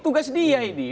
tugas dia ini